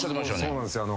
そうなんですよ